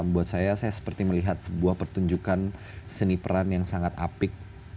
buat saya saya seperti melihat sebuah pertunjukan seni peran yang sangat apik